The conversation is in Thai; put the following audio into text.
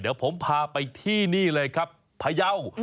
เดี๋ยวผมพาไปที่นี่เลยครับพยาว